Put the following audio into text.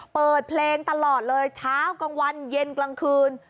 เปิดเพลงตลอดเลยเช้ากลางวันเย็นกลางคืน